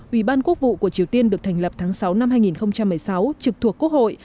ủy ban quốc vụ của triều tiên được thành lập tháng sáu năm hai nghìn một mươi sáu trực thuộc quốc hội